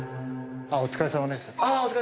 お疲れさまです。